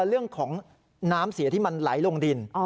เห็นอะไรคะ